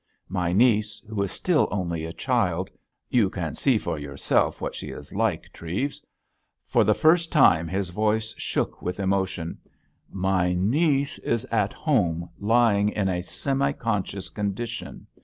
My niece, who is still only a child—you can see for yourself what she is like, Treves"—for the first time his voice shook with emotion—"my niece is at home lying in a semi conscious condition.